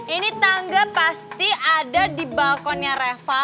ini tangga pasti ada di balkonnya reva